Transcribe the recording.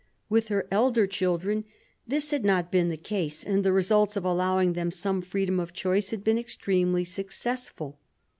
With her elder children this had not been the case, and the results of allowing them some freedom of choice had been extremely successful.